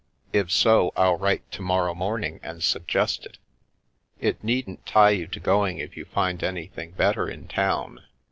If so, I'll write to morrow morning and suggest it. It needn't tie you to going if you find anything better in town.